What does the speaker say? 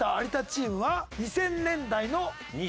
有田チームは２０００年代の。